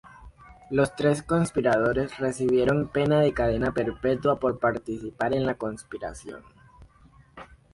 Los tres conspiradores recibieron penas de cadena perpetua por participar en la conspiración.